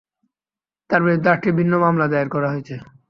তার বিরুদ্ধে আটটি ভিন্ন মামলা দায়ের করা হয়েছে।